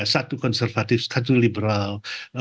satu konservatif satu liberal